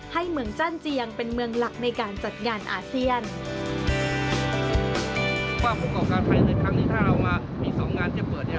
เมืองจันเจียงเป็นเมืองหลักในการจัดงานอาเซียน